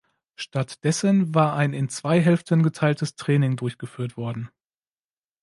Stattdessen war ein in zwei Hälften geteiltes Training durchgeführt worden.